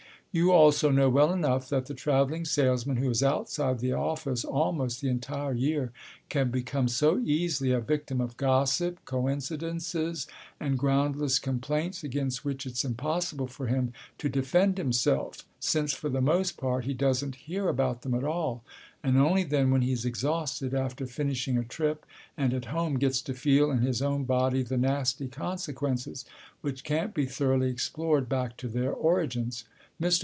You also know well enough that the travelling salesman who is outside the office almost the entire year can become so easily a victim of gossip, coincidences, and groundless complaints, against which it's impossible for him to defend himself, since for the most part he doesn't hear about them at all and only then when he's exhausted after finishing a trip and at home gets to feel in his own body the nasty consequences, which can't be thoroughly explored back to their origins. Mr.